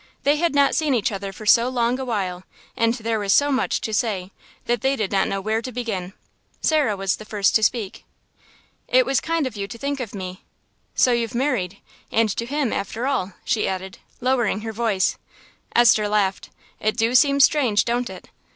They had not seen each other for so long a while, and there was so much to say that they did not know where to begin. Sarah was the first to speak. "It was kind of you to think of me. So you've married, and to him after all!" she added, lowering her voice. Esther laughed. "It do seem strange, don't it?"